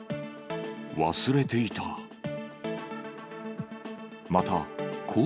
忘れていた。